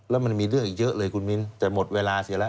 แล้วมันมีเรื่องอีกเยอะเลยคุณมิ้นแต่หมดเวลาเสียแล้ว